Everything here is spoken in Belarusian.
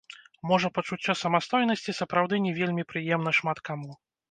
Можа, пачуццё самастойнасці сапраўды не вельмі прыемна шмат каму.